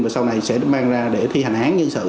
và sau này sẽ mang ra để thi hành án nhân sự